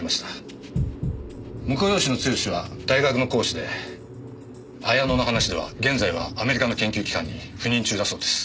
婿養子の剛史は大学の講師で綾乃の話では現在はアメリカの研究機関に赴任中だそうです。